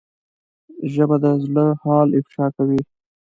ژبه د زړه حال افشا کوي